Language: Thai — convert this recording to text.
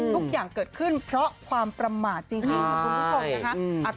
ทุกอย่างเกิดขึ้นเพราะความประหมาตรจริงของคุณพลอยโพสต์